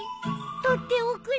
取っておくれ。